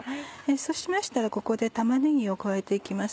そうしましたらここで玉ねぎを加えて行きます。